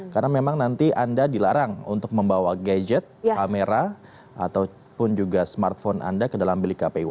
karena memang nanti anda dilarang untuk membawa gadget kamera ataupun juga smartphone anda ke dalam bilik kpu